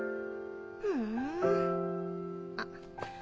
ふんあっ。